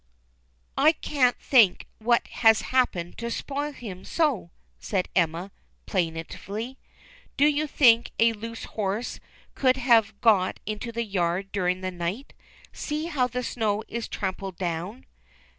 "I can't think what has happened to spoil him so," said Elma, plaintively. " Do you think a loose horse can have got into the yard during the night ? See how the snow is trampled down."